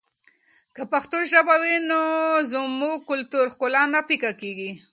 که پښتو ژبه وي نو زموږ کلتوري ښکلا نه پیکه کېږي.